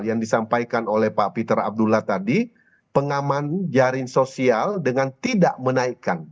yang disampaikan oleh pak peter abdullah tadi pengaman jaring sosial dengan tidak menaikkan